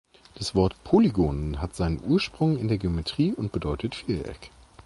Das Wort Polygon hat seinen Ursprung in der Geometrie und bedeutet Vieleck.